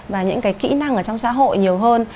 và những cái kỹ năng ở trong xã hội nhiều hơn